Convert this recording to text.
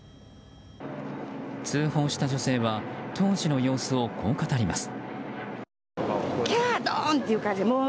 通報した女性は当時の様子をこう語ります。